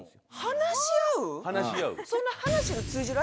話し合う？